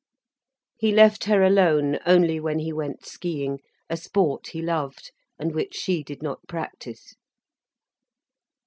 He left her alone only when he went skiing, a sport he loved, and which she did not practise.